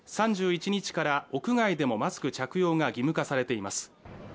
３１日から屋外でもマスク着用が義務化されています。